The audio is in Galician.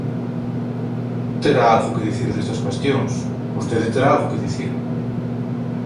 Terá algo que dicir destas cuestións, vostede terá algo que dicir.